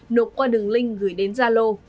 nộp qua đường link gửi đến gia lô